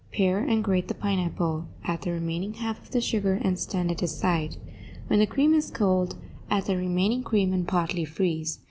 Pare and grate the pineapple, add the remaining half of the sugar and stand it aside. When the cream is cold, add the remaining cream, and partly freeze.